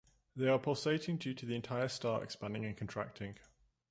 They are pulsating due to the entire star expanding and contracting.